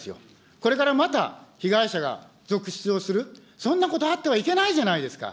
これからまた被害者が続出をする、そんなことあってはいけないじゃないですか。